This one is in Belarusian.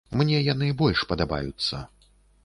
Мне яны больш падабаюцца.